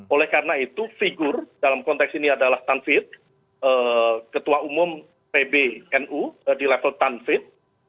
oleh karena itu figur dalam konteks ini adalah tanfit ketua umum pbnu di level tanfit